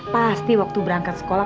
pasti waktu berangkat sekolah